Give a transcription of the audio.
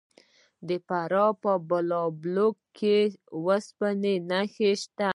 د فراه په بالابلوک کې د وسپنې نښې شته.